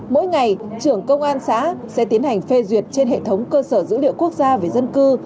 mỗi ngày trưởng công an xã sẽ tiến hành phê duyệt trên hệ thống cơ sở dữ liệu quốc gia về dân cư